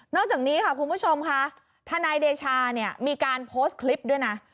จากนี้ค่ะคุณผู้ชมค่ะทนายเดชาเนี่ยมีการโพสต์คลิปด้วยนะ